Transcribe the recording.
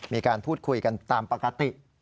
มีการพูดคุยกันตามปกติ